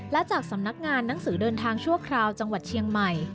และจากสำนักงานหนังสือเดินทางชั่วคราวจังหวัดเชียงใหม่